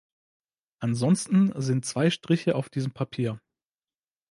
Ansonsten sind zwei Striche auf diesem Papier.